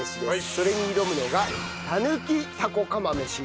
それに挑むのがたぬきタコ釜飯。